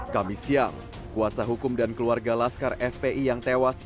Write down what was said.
kami siang kuasa hukum dan keluarga laskar fpi yang tewas